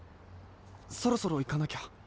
そろそろいかなきゃ。